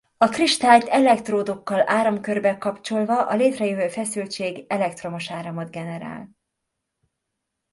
A kristályt elektródokkal áramkörbe kapcsolva a létrejövő feszültség elektromos áramot generál.